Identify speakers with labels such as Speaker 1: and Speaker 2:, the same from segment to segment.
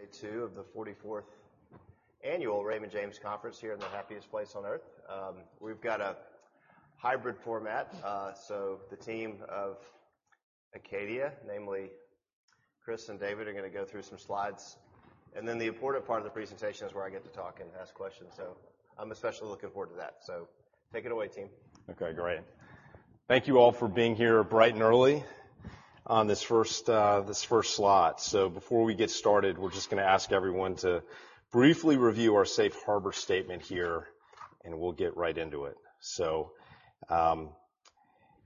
Speaker 1: Day two of the 44th annual Raymond James Conference here in the happiest place on earth. We've got a hybrid format. The team of Acadia, namely Chris and David, are gonna go through some slides. Then the important part of the presentation is where I get to talk and ask questions, I'm especially looking forward to that. Take it away, team.
Speaker 2: Okay, great. Thank you all for being here bright and early on this first, this first slot. Before we get started, we're just gonna ask everyone to briefly review our safe harbor statement here, and we'll get right into it.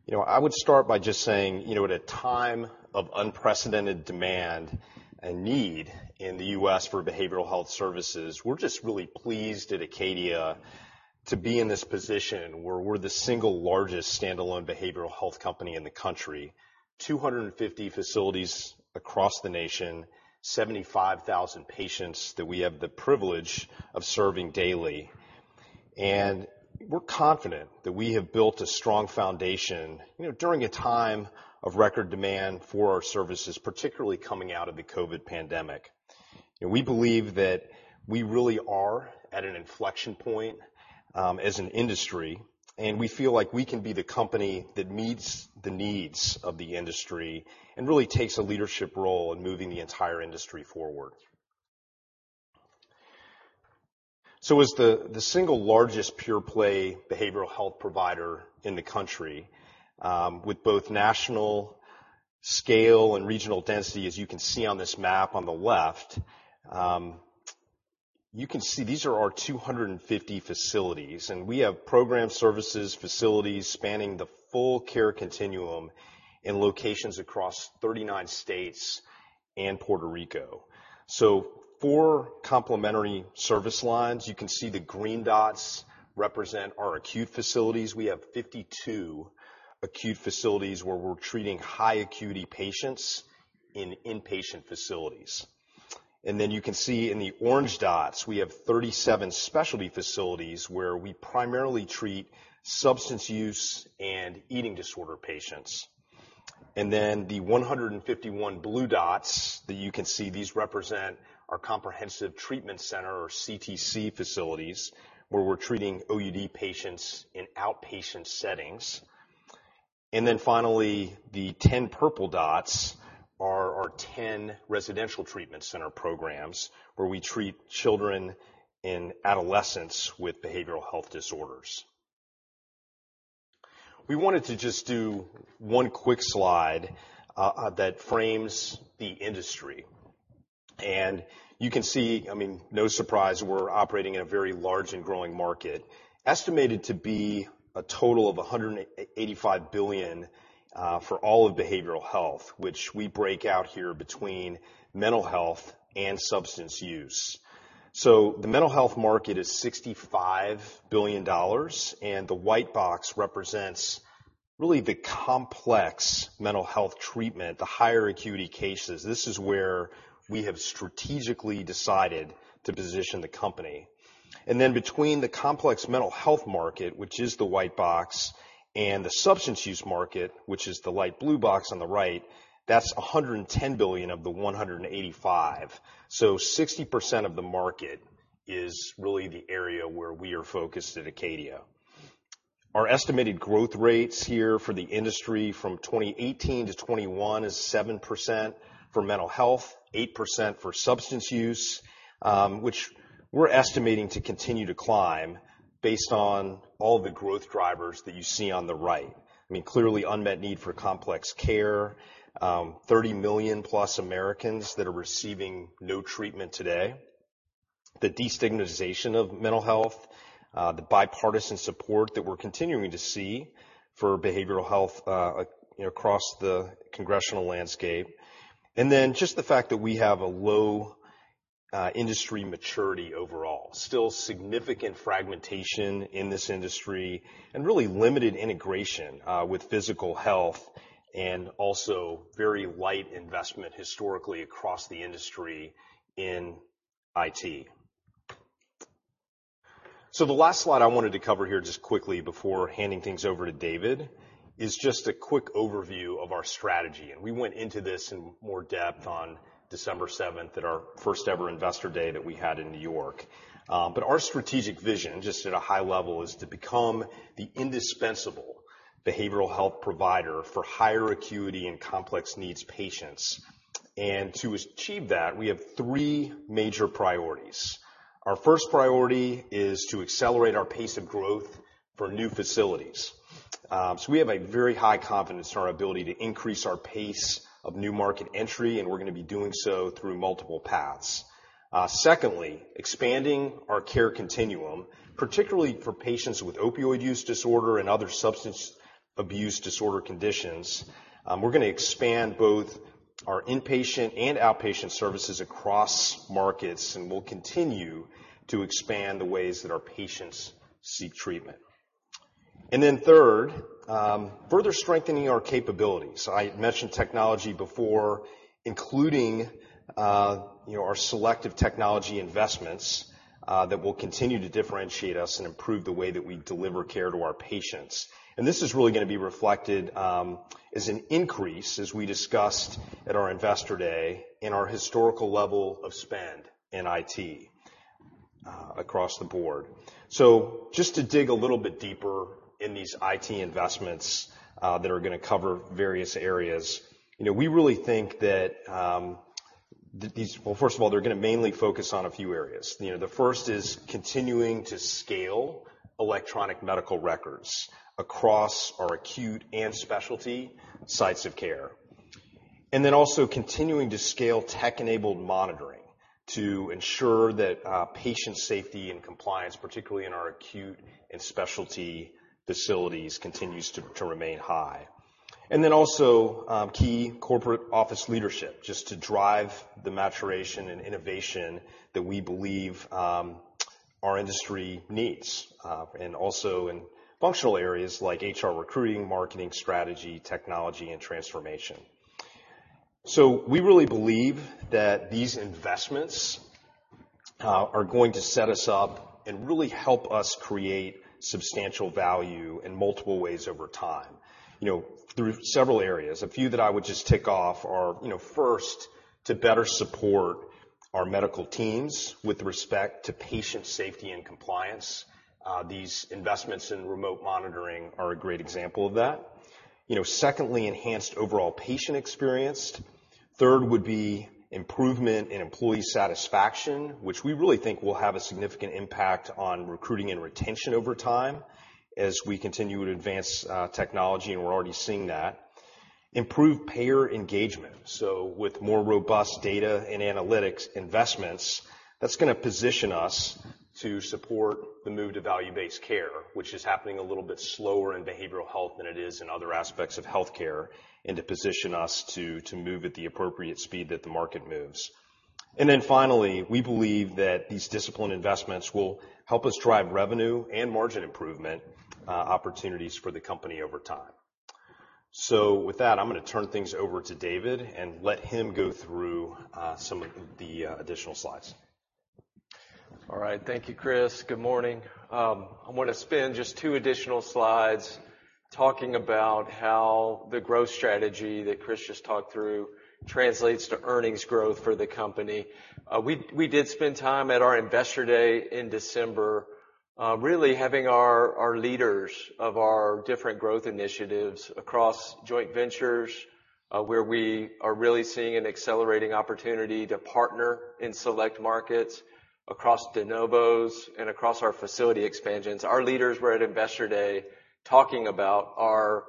Speaker 2: You know, I would start by just saying, you know, at a time of unprecedented demand and need in the U.S. for behavioral health services, we're just really pleased at Acadia to be in this position where we're the single largest standalone behavioral health company in the country. 250 facilities across the nation, 75,000 patients that we have the privilege of serving daily. We're confident that we have built a strong foundation, you know, during a time of record demand for our services, particularly coming out of the COVID pandemic. We believe that we really are at an inflection point, as an industry, and we feel like we can be the company that meets the needs of the industry and really takes a leadership role in moving the entire industry forward. As the single largest pure play behavioral health provider in the country, with both national scale and regional density, as you can see on this map on the left. You can see these are our 250 facilities, and we have program services facilities spanning the full care continuum in locations across 39 states and Puerto Rico. Four complementary service lines. You can see the green dots represent our acute facilities. We have 52 acute facilities where we're treating high acuity patients in inpatient facilities. You can see in the orange dots, we have 37 specialty facilities where we primarily treat substance use and eating disorder patients. The 151 blue dots that you can see, these represent our comprehensive treatment center or CTC facilities, where we're treating OUD patients in outpatient settings. Finally, the 10 purple dots are our 10 residential treatment center programs, where we treat children and adolescents with behavioral health disorders. We wanted to just do one quick slide that frames the industry. You can see, I mean, no surprise, we're operating in a very large and growing market, estimated to be a total of $185 billion for all of behavioral health, which we break out here between mental health and substance use. The mental health market is $65 billion, the white box represents really the complex mental health treatment, the higher acuity cases. This is where we have strategically decided to position the company. Between the complex mental health market, which is the white box, and the substance use market, which is the light blue box on the right, that's $110 billion of the 185. 60% of the market is really the area where we are focused at Acadia. Our estimated growth rates here for the industry from 2018 to 2021 is 7% for mental health, 8% for substance use, which we're estimating to continue to climb based on all the growth drivers that you see on the right. I mean, clearly unmet need for complex care. 30 million-plus Americans that are receiving no treatment today. The destigmatization of mental health. The bipartisan support that we're continuing to see for behavioral health, you know, across the congressional landscape. Just the fact that we have a low industry maturity overall. Still significant fragmentation in this industry and really limited integration with physical health and also very light investment historically across the industry in IT. The last slide I wanted to cover here just quickly before handing things over to David is just a quick overview of our strategy. We went into this in more depth on December 7th at our first ever Investor Day that we had in New York. Our strategic vision, just at a high level, is to become the indispensable behavioral health provider for higher acuity and complex needs patients. To achieve that, we have three major priorities. Our first priority is to accelerate our pace of growth for new facilities. We have a very high confidence in our ability to increase our pace of new market entry, and we're gonna be doing so through multiple paths. Secondly, expanding our care continuum, particularly for patients with opioid use disorder and other substance abuse disorder conditions. We're gonna expand both our inpatient and outpatient services across markets, and we'll continue to expand the ways that our patients seek treatment. Third, further strengthening our capabilities. I mentioned technology before, including, you know, our selective technology investments that will continue to differentiate us and improve the way that we deliver care to our patients. This is really gonna be reflected, as an increase as we discussed at our Investor Day in our historical level of spend in IT across the board. Just to dig a little bit deeper in these IT investments that are gonna cover various areas. You know, we really think that these, Well, first of all, they're gonna mainly focus on a few areas. You know, the first is continuing to scale electronic medical records across our acute and specialty sites of care. Then also continuing to scale tech-enabled monitoring to ensure that patient safety and compliance, particularly in our acute and specialty facilities, continues to remain high. And also key corporate office leadership, just to drive the maturation and innovation that we believe our industry needs, and also in functional areas like HR recruiting, marketing, strategy, technology, and transformation. So we really believe that these investments are going to set us up and really help us create substantial value in multiple ways over time, you know, through several areas. A few that I would just tick off are, you know, first, to better support our medical teams with respect to patient safety and compliance. These investments in remote monitoring are a great example of that. You know, secondly, enhanced overall patient experience. Third would be improvement in employee satisfaction, which we really think will have a significant impact on recruiting and retention over time as we continue to advance technology, and we're already seeing that. Improved payer engagement. With more robust data and analytics investments, that's going to position us to support the move to value-based care, which is happening a little bit slower in behavioral health than it is in other aspects of healthcare, and to position us to move at the appropriate speed that the market moves. Finally, we believe that these disciplined investments will help us drive revenue and margin improvement opportunities for the company over time. With that, I'm going to turn things over to David and let him go through some of the additional slides.
Speaker 3: All right. Thank you, Chris. Good morning. I'm gonna spend just two additional slides talking about how the growth strategy that Chris just talked through translates to earnings growth for the company. We, we did spend time at our Investor Day in December, really having our leaders of our different growth initiatives across joint ventures, where we are really seeing an accelerating opportunity to partner in select markets across de novos and across our facility expansions. Our leaders were at Investor Day talking about our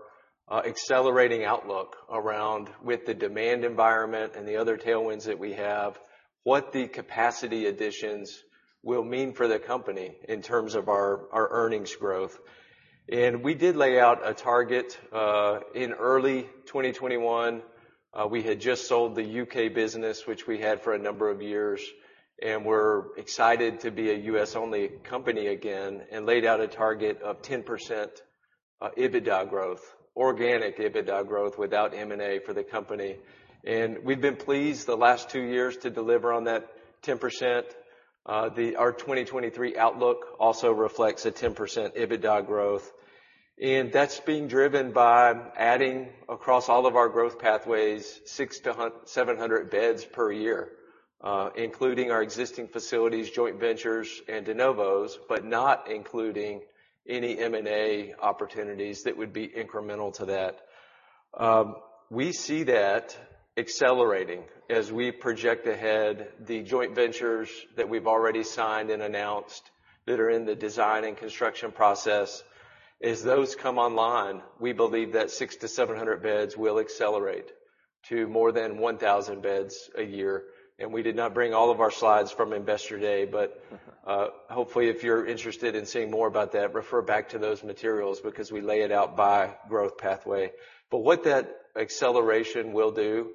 Speaker 3: accelerating outlook around with the demand environment and the other tailwinds that we have, what the capacity additions will mean for the company in terms of our earnings growth. We did lay out a target in early 2021. We had just sold the U.K. business, which we had for a number of years, and we're excited to be a U.S.-only company again and laid out a target of 10% EBITDA growth, organic EBITDA growth without M&A for the company. We've been pleased the last two years to deliver on that 10%. Our 2023 outlook also reflects a 10% EBITDA growth. That's being driven by adding across all of our growth pathways 600-700 beds per year, including our existing facilities, joint ventures, and de novos, but not including any M&A opportunities that would be incremental to that. We see that accelerating as we project ahead the joint ventures that we've already signed and announced that are in the design and construction process. As those come online, we believe that 600-700 beds will accelerate to more than 1,000 beds a year. We did not bring all of our slides from Investor Day, but hopefully, if you're interested in seeing more about that, refer back to those materials because we lay it out by growth pathway. What that acceleration will do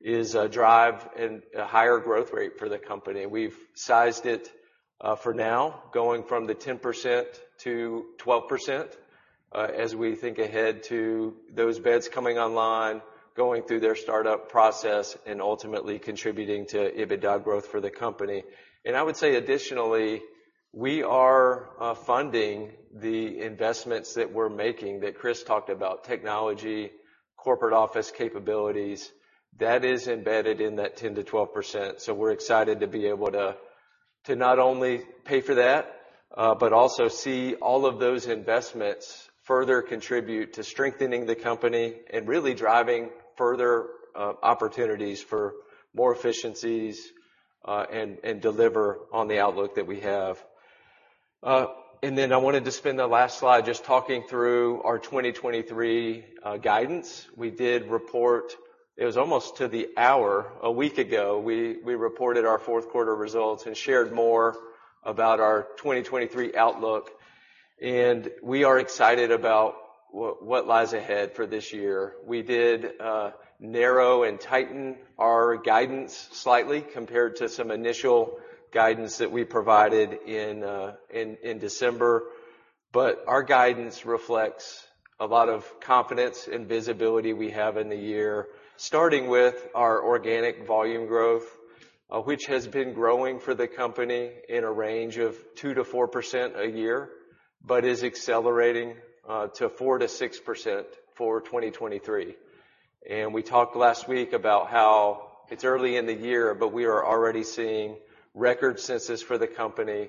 Speaker 3: is drive a higher growth rate for the company. We've sized it for now going from the 10% to 12%, as we think ahead to those beds coming online, going through their startup process and ultimately contributing to EBITDA growth for the company. I would say additionally, we are funding the investments that we're making that Chris talked about, technology, corporate office capabilities. That is embedded in that 10%-12%. We're excited to be able to not only pay for that, but also see all of those investments further contribute to strengthening the company and really driving further opportunities for more efficiencies, deliver on the outlook that we have. I wanted to spend the last slide just talking through our 2023 guidance. We did report, it was almost to the hour, a week ago, we reported our fourth quarter results and shared more about our 2023 outlook. We are excited about what lies ahead for this year. We did narrow and tighten our guidance slightly compared to some initial guidance that we provided in December. Our guidance reflects a lot of confidence and visibility we have in the year, starting with our organic volume growth, which has been growing for the company in a range of 2%-4% a year, but is accelerating to 4%-6% for 2023. We talked last week about how it's early in the year, but we are already seeing record census for the company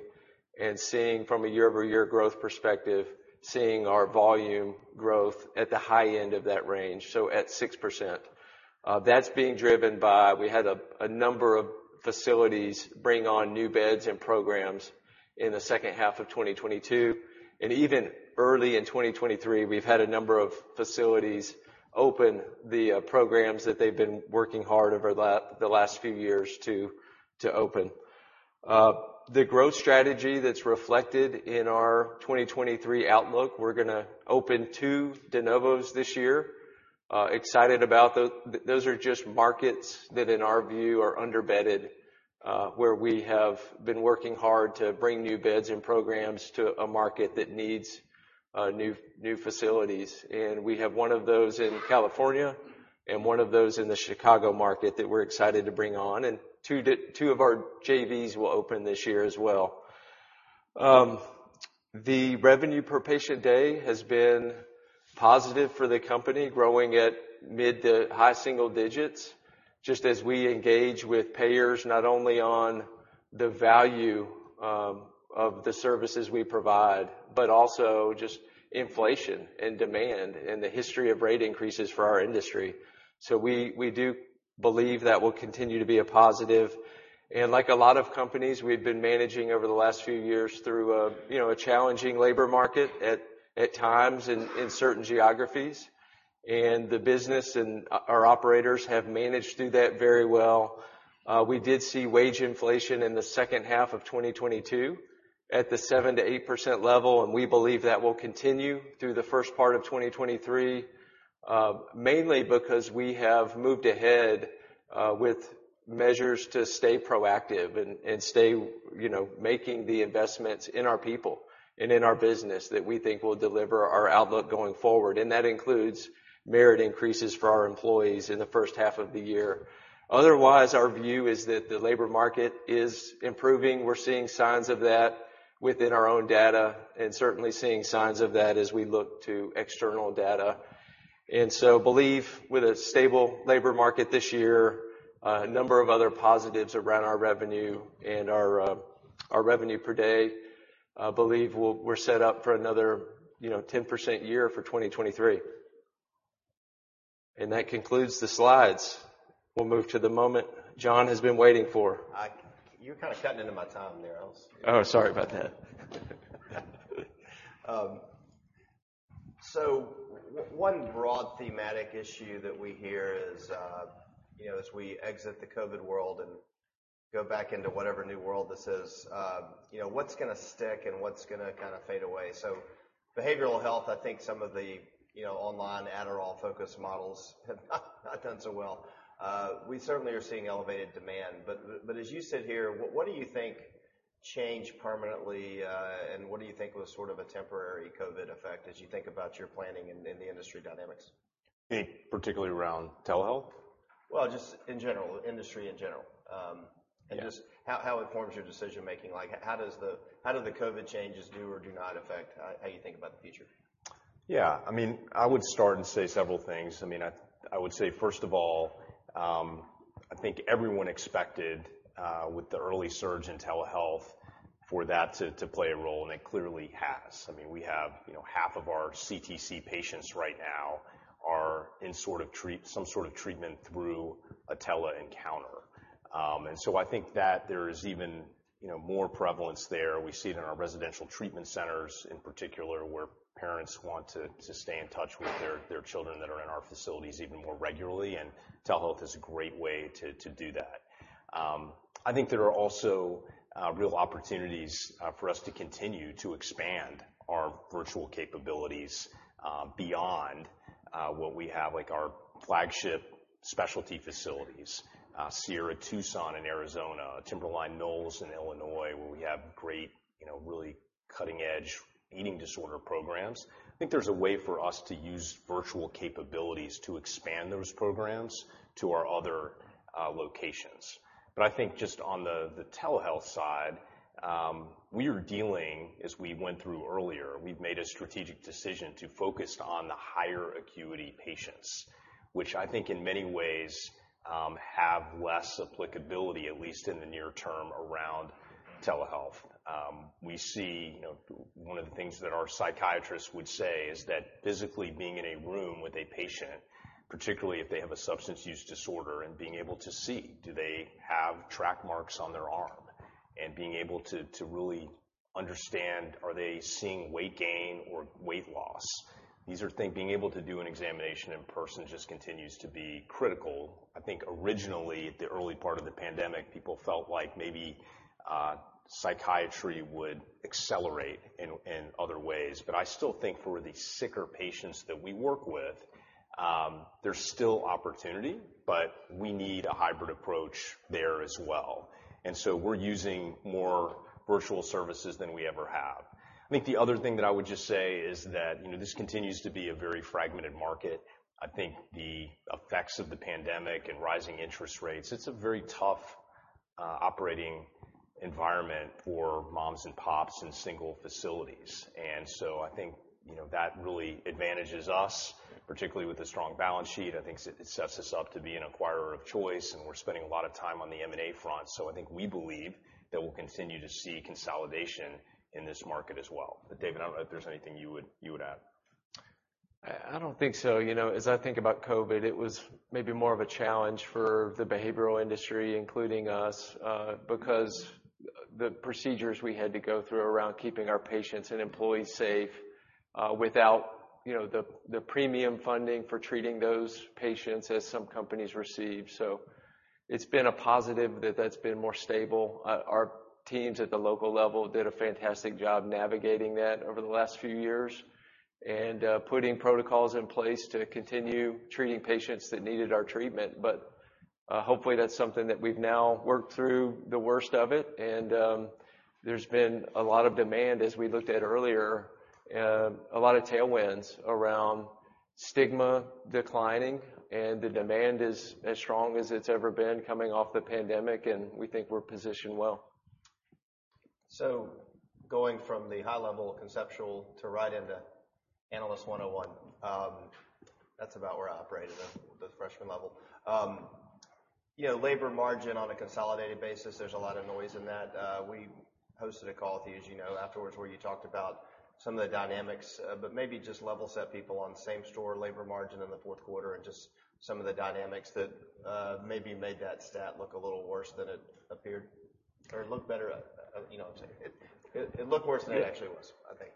Speaker 3: and seeing from a year-over-year growth perspective, seeing our volume growth at the high end of that range, so at 6%. That's being driven by, we had a number of facilities bring on new beds and programs in the second half of 2022. Even early in 2023, we've had a number of facilities open the programs that they've been working hard over the last few years to open. The growth strategy that's reflected in our 2023 outlook, we're gonna open two de novos this year. Excited about those are just markets that, in our view, are under-bedded, where we have been working hard to bring new beds and programs to a market that needs new facilities. We have one of those in California and one of those in the Chicago market that we're excited to bring on, and two of our JVs will open this year as well. The revenue-per-patient day has been positive for the company, growing at mid- to high-single digits, just as we engage with payers, not only on the value of the services we provide, but also just inflation and demand and the history of rate increases for our industry. We do believe that will continue to be a positive. Like a lot of companies, we've been managing over the last few years through a, you know, a challenging labor market at times in certain geographies. The business and our operators have managed through that very well. We did see wage inflation in the second half of 2022 at the 7%-8% level, and we believe that will continue through the first part of 2023, mainly because we have moved ahead with measures to stay proactive and stay, you know, making the investments in our people and in our business that we think will deliver our outlook going forward. That includes merit increases for our employees in the first half of the year. Otherwise, our view is that the labor market is improving. We're seeing signs of that within our own data. Certainly seeing signs of that as we look to external data. Believe with a stable labor market this year, a number of other positives around our revenue and our revenue per day, believe we're set up for another, you know, 10% year for 2023. That concludes the slides. We'll move to the moment John has been waiting for.
Speaker 1: You're kinda cutting into my time there.
Speaker 3: Oh, sorry about that.
Speaker 1: One broad thematic issue that we hear is, you know, as we exit the COVID world and go back into whatever new world this is, you know, what's gonna stick and what's gonna kinda fade away? Behavioral health, I think some of the, you know, online Adderall-focused models have not done so well. We certainly are seeing elevated demand. As you sit here, what do you think changed permanently, and what do you think was sort of a temporary COVID effect as you think about your planning and the industry dynamics?
Speaker 3: You mean particularly around telehealth?
Speaker 1: Well, just in general, industry in general. Just how it forms your decision-making. Like, how do the COVID changes do or do not affect how you think about the future?
Speaker 3: Yeah. I mean, I would start and say several things. I mean, I would say, first of all, I think everyone expected with the early surge in telehealth for that to play a role, and it clearly has. I mean, we have, you know, half of our CTC patients right now are in some sort of treatment through a tele-encounter. I think that there is even, you know, more prevalence there. We see it in our residential treatment centers, in particular, where parents want to stay in touch with their children that are in our facilities even more regularly, and telehealth is a great way to do that. I think there are also real opportunities for us to continue to expand our virtual capabilities beyond what we have, like our flagship specialty facilities, Sierra Tucson in Arizona, Timberline Knolls in Illinois, where we have great, you know, really cutting-edge eating disorder programs. I think there's a way for us to use virtual capabilities to expand those programs to our other locations. I think just on the telehealth side, we are dealing, as we went through earlier, we've made a strategic decision to focus on the higher acuity patients, which I think in many ways, have less applicability, at least in the near term, around telehealth. We see, you know, one of the things that our psychiatrists would say is that physically being in a room with a patient, particularly if they have a substance use disorder and being able to see, do they have track marks on their arm? Being able to really understand, are they seeing weight gain or weight loss? Being able to do an examination in person just continues to be critical. I think originally, at the early part of the pandemic, people felt like maybe psychiatry would accelerate in other ways. I still think for the sicker patients that we work with, there's still opportunity, but we need a hybrid approach there as well. We're using more virtual services than we ever have. I think the other thing that I would just say is that, you know, this continues to be a very fragmented market. I think the effects of the pandemic and rising interest rates, it's a very tough operating environment for moms-and-pops in single facilities. I think, you know, that really advantages us, particularly with a strong balance sheet. I think it sets us up to be an acquirer of choice, and we're spending a lot of time on the M&A front. I think we believe that we'll continue to see consolidation in this market as well. David, I don't know if there's anything you would add. I don't think so. You know, as I think about COVID, it was maybe more of a challenge for the behavioral industry, including us, because the procedures we had to go through around keeping our patients and employees safe, without, you know, the premium funding for treating those patients as some companies received. It's been a positive that that's been more stable. Our teams at the local level did a fantastic job navigating that over the last few years and putting protocols in place to continue treating patients that needed our treatment. Hopefully that's something that we've now worked through the worst of it. There's been a lot of demand as we looked at earlier, a lot of tailwinds around stigma declining and the demand is as strong as it's ever been coming off the pandemic, and we think we're positioned well.
Speaker 1: Going from the high level conceptual to right into analyst 101, that's about where I operated at the freshman level. You know, labor margin on a consolidated basis, there's a lot of noise in that. We hosted a call with you, as you know, afterwards, where you talked about some of the dynamics. Maybe just level set people on same store labor margin in the fourth quarter and just some of the dynamics that maybe made that stat look a little worse than it appeared or looked better. You know what I'm saying? It looked worse than it actually was, I think.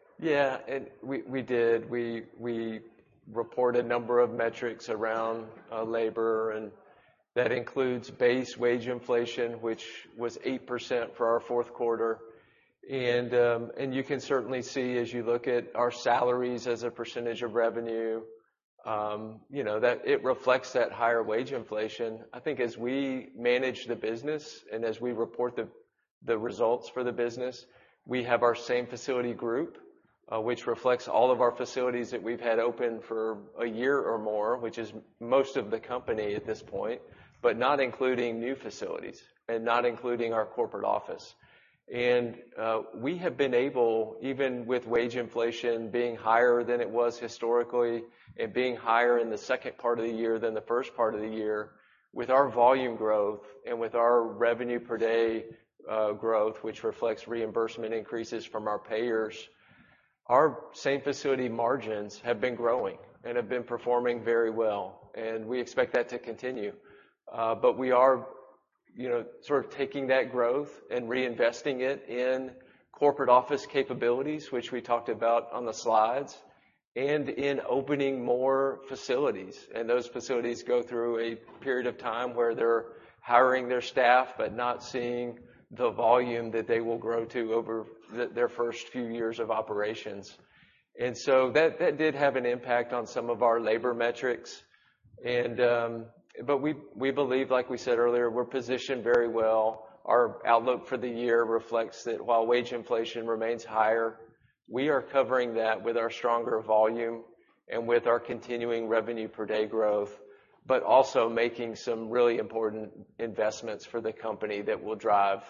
Speaker 3: We did. We report a number of metrics around labor, and that includes base wage inflation, which was 8% for our fourth quarter. You can certainly see as you look at our salaries as a percentage of revenue, you know, that it reflects that higher wage inflation. I think as we manage the business and as we report the results for the business, we have our same facility group, which reflects all of our facilities that we've had open for one year or more, which is most of the company at this point, but not including new facilities and not including our corporate office. We have been able, even with wage inflation being higher than it was historically and being higher in the second part of the year than the first part of the year. With our volume growth and with our revenue per day, growth, which reflects reimbursement increases from our payers, our same facility margins have been growing and have been performing very well, and we expect that to continue. We are, you know, sort of taking that growth and reinvesting it in corporate office capabilities, which we talked about on the slides and in opening more facilities. Those facilities go through a period of time where they're hiring their staff but not seeing the volume that they will grow to over their first few years of operations. That did have an impact on some of our labor metrics. We believe, like we said earlier, we're positioned very well. Our outlook for the year reflects that while wage inflation remains higher, we are covering that with our stronger volume and with our continuing revenue-per-day growth, also making some really important investments for the company that will drive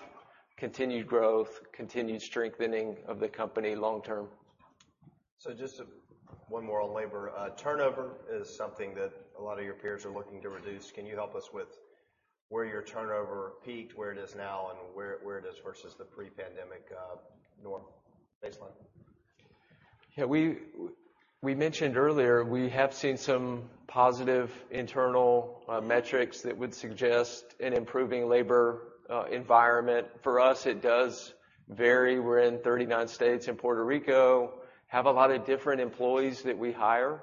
Speaker 3: continued growth, continued strengthening of the company long term.
Speaker 1: Just one more on labor. Turnover is something that a lot of your peers are looking to reduce. Can you help us with where your turnover peaked, where it is now, and where it is versus the pre-pandemic norm baseline?
Speaker 3: Yeah, we mentioned earlier we have seen some positive internal metrics that would suggest an improving labor environment. For us, it does vary. We're in 39 states, in Puerto Rico, have a lot of different employees that we hire.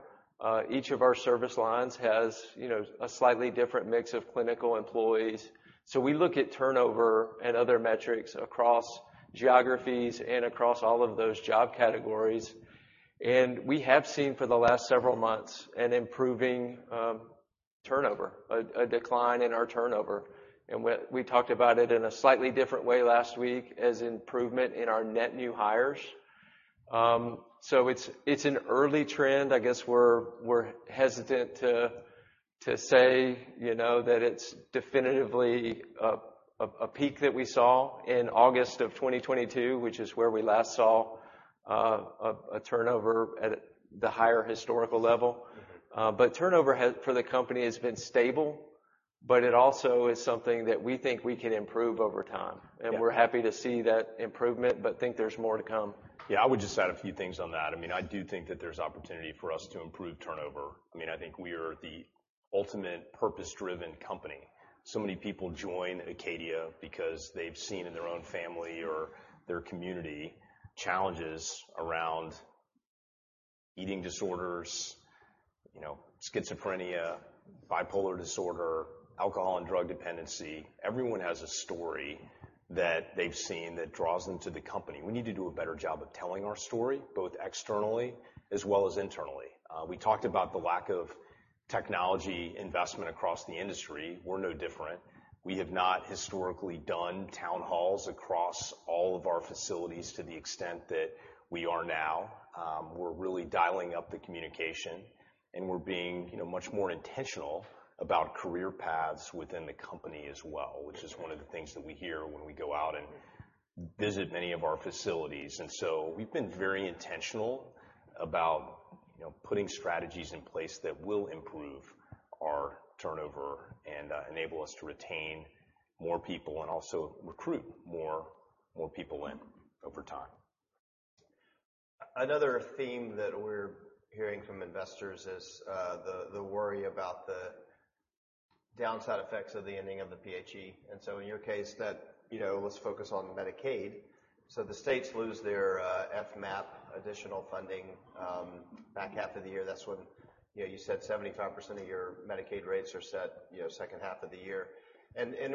Speaker 3: Each of our service lines has, you know, a slightly different mix of clinical employees. We look at turnover and other metrics across geographies and across all of those job categories. We have seen for the last several months an improving turnover, a decline in our turnover. We talked about it in a slightly different way last week as improvement in our net new hires. It's an early trend. I guess we're hesitant to say, you know, that it's definitively a peak that we saw in August of 2022, which is where we last saw a turnover at the higher historical level.
Speaker 1: Mm-hmm.
Speaker 3: Turnover for the company has been stable, but it also is something that we think we can improve over time.
Speaker 2: Yeah.
Speaker 3: We're happy to see that improvement, but think there's more to come.
Speaker 2: Yeah, I would just add a few things on that. I mean, I do think that there's opportunity for us to improve turnover. I mean, I think we are the ultimate purpose-driven company. Many people join Acadia because they've seen in their own family or their community challenges around eating disorders, you know, schizophrenia, bipolar disorder, alcohol and drug dependency. Everyone has a story that they've seen that draws them to the company. We need to do a better job of telling our story, both externally as well as internally. We talked about the lack of technology investment across the industry. We're no different. We have not historically done town halls across all of our facilities to the extent that we are now. We're really dialing up the communication, and we're being, you know, much more intentional about career paths within the company as well, which is one of the things that we hear when we go out and visit many of our facilities. We've been very intentional about, you know, putting strategies in place that will improve our turnover and enable us to retain more people and also recruit more people in over time.
Speaker 1: Another theme that we're hearing from investors is, the worry about the downside effects of the ending of the PHE. In your case, that, you know, let's focus on Medicaid. The states lose their FMAP additional funding, back half of the year. That's when, you know, you said 75% of your Medicaid rates are set, you know, second half of the year.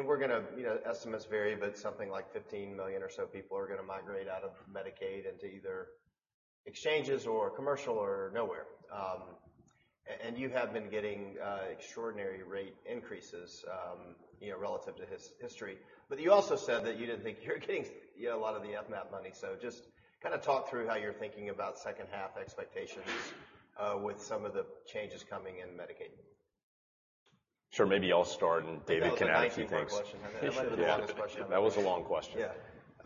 Speaker 1: We're gonna, you know, estimates vary, but something like 15 million or so people are gonna migrate out of Medicaid into either exchanges or commercial or nowhere. And you have been getting extraordinary rate increases, you know, relative to history. You also said that you didn't think you're getting, you know, a lot of the FMAP money. Just kinda talk through how you're thinking about second half expectations, with some of the changes coming in Medicaid.
Speaker 2: Sure. Maybe I'll start, and David can add a few things.
Speaker 1: That was a 19 part question.
Speaker 2: Yeah. That was a long question.
Speaker 1: Yeah.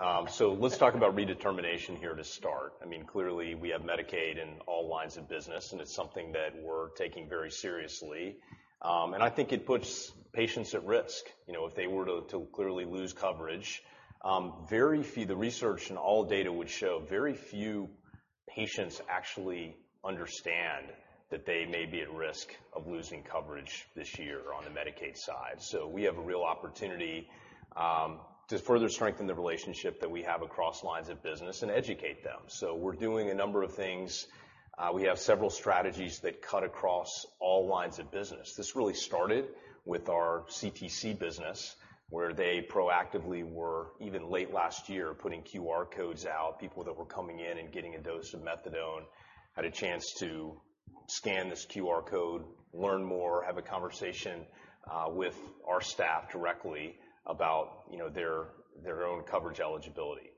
Speaker 2: Let's talk about redetermination here to start. I mean, clearly, we have Medicaid in all lines of business, and it's something that we're taking very seriously. I think it puts patients at risk, you know, if they were to clearly lose coverage. The research and all data would show very few patients actually understand that they may be at risk of losing coverage this year on the Medicaid side. We have a real opportunity to further strengthen the relationship that we have across lines of business and educate them. We have several strategies that cut across all lines of business. This really started with our CTC business, where they proactively were, even late last year, putting QR codes out. People that were coming in and getting a dose of methadone had a chance to scan this QR code, learn more, have a conversation with our staff directly about, you know, their own coverage eligibility.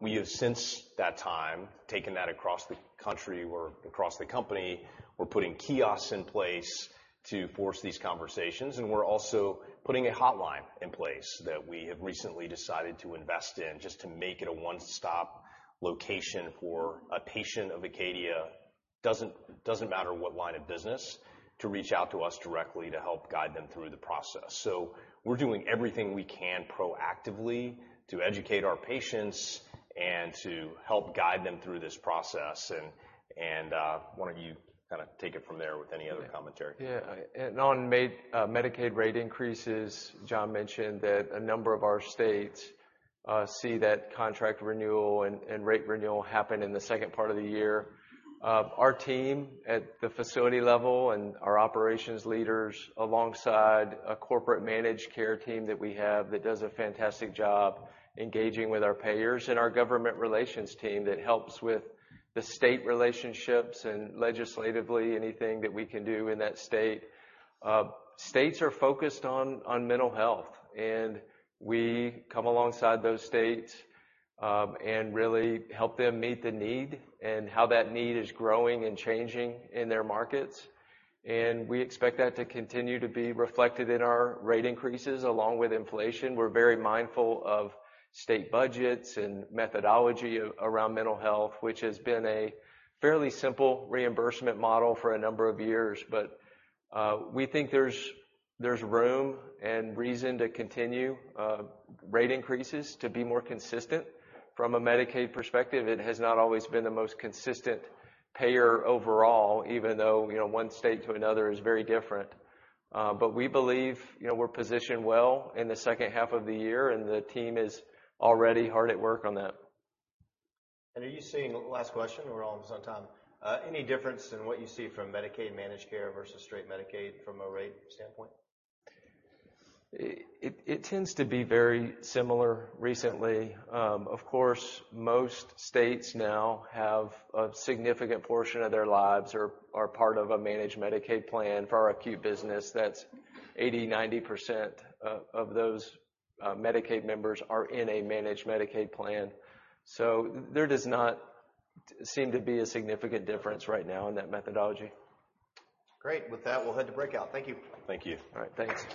Speaker 2: We have since that time taken that across the country or across the company. We're putting kiosks in place to force these conversations, and we're also putting a hotline in place that we have recently decided to invest in just to make it a one-stop location for a patient of Acadia, doesn't matter what line of business, to reach out to us directly to help guide them through the process. We're doing everything we can proactively to educate our patients and to help guide them through this process. Why don't you kinda take it from there with any other commentary?
Speaker 3: Yeah. On Medicaid rate increases, John mentioned that a number of our states see that contract renewal and rate renewal happen in the second part of the year. Our team at the facility level and our operations leaders, alongside a corporate managed care team that we have that does a fantastic job engaging with our payers and our government relations team that helps with the state relationships and legislatively anything that we can do in that state. States are focused on mental health, we come alongside those states and really help them meet the need and how that need is growing and changing in their markets. We expect that to continue to be reflected in our rate increases along with inflation. We're very mindful of state budgets and methodology around mental health, which has been a fairly simple reimbursement model for a number of years. We think there's room and reason to continue rate increases to be more consistent. From a Medicaid perspective, it has not always been the most consistent payer overall, even though, you know, one state to another is very different. We believe, you know, we're positioned well in the second half of the year, and the team is already hard at work on that.
Speaker 1: Last question. We're almost on time. Any difference in what you see from Medicaid managed care versus straight Medicaid from a rate standpoint?
Speaker 3: It tends to be very similar recently. Of course, most states now have a significant portion of their lives or are part of a managed Medicaid plan. For our acute business, that's 80%, 90% of those Medicaid members are in a managed Medicaid plan. There does not seem to be a significant difference right now in that methodology.
Speaker 1: Great. With that, we'll head to breakout. Thank you.
Speaker 2: Thank you.
Speaker 3: All right. Thanks.